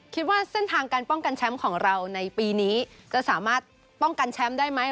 คิดว่าเส้นทางการป้องกันแชมป์ของเราในปีนี้จะสามารถป้องกันแชมป์ได้ไหม